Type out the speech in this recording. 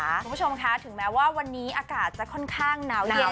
คุณผู้ชมค่ะถึงแม้ว่าวันนี้อากาศจะค่อนข้างหนาวเย็น